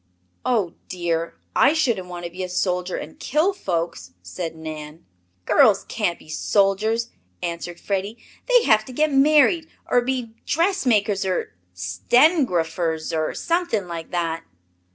"Oh, dear, I shouldn't want to be a soldier and kill folks," said Nan. "Girls can't be soldiers," answered Freddie. "They have to get married, or be dressmakers, or sten'graphers, or something like that."